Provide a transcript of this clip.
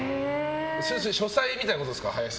先生の書斎みたいなことですか。